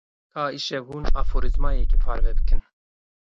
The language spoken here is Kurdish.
Ka îşev hûn aforîzmayekê parve bikin.